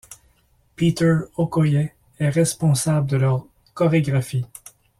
Peter Okoye est responsable de leurs chorégraphies.